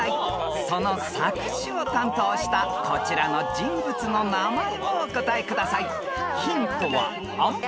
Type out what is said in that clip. ［その作詞を担当したこちらの人物の名前をお答えください］